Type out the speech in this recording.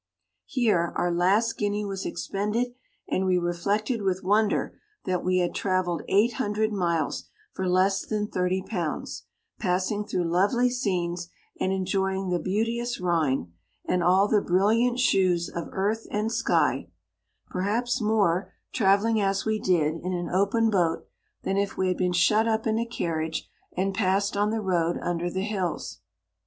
Here our last guinea was expended, and we re flected with wonder that we had tra velled eight hundred miles for less than thirty pounds, passing through lovely scenes, and enjoying the beauteous Rhine, and all the brilliant shews of earth and sky, perhaps more, travelling 79 as we did, in an open boat, than if we had been shut up in a carriage, and passed on the road under the hills.